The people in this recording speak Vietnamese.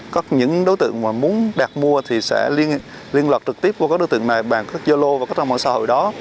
các những đối tượng mà muốn đạt mua thì sẽ liên lạc trực tiếp với các đối tượng này bằng các yolo và các trang mạng xã hội đó